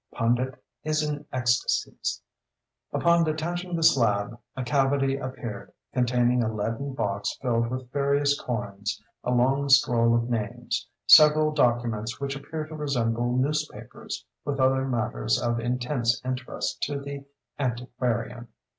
Pundit is in ecstacies. Upon detaching the slab, a cavity appeared, containing a leaden box filled with various coins, a long scroll of names, several documents which appear to resemble newspapers, with other matters of intense interest to the antiquarian!